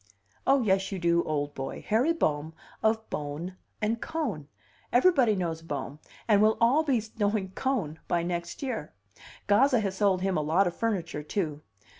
"Oh, yes, you do, old boy. Harry Bohm, of Bohm & Cohn. Everybody knows Bohm, and we'll all be knowing Cohn by next year. Gazza has sold him a lot of furniture, too.